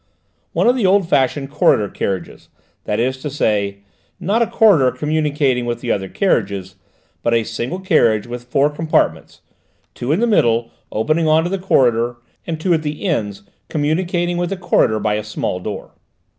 "One of the old fashioned corridor carriages; that is to say, not a corridor communicating with the other carriages, but a single carriage with four compartments, two in the middle opening on to the corridor, and two at the ends communicating with the corridor by a small door."